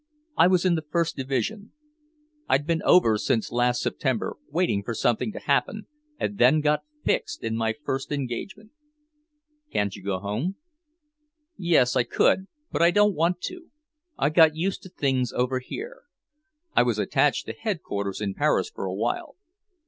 I was in the First Division. I'd been over since last September, waiting for something to happen, and then got fixed in my first engagement." "Can't you go home?" "Yes, I could. But I don't want to. I've got used to things over here. I was attached to Headquarters in Paris for awhile."